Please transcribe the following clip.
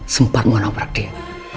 sempat mengonoprak dia